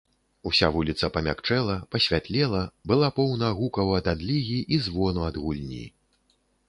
Уся вуліца памякчэла, пасвятлела, была поўна гукаў ад адлігі і звону ад гульні.